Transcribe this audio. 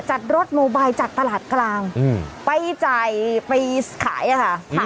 จัดรถโมบายจากตลาดกลางอืมไปจ่ายไปขายอะค่ะอืม